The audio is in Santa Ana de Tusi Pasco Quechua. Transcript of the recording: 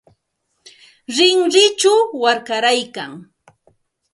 Rinrinchaw warkaraykan.